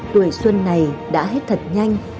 tuổi xuân này đã hết thật nhanh